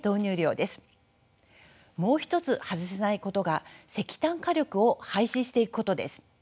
もう一つ外せないことが石炭火力を廃止していくことです。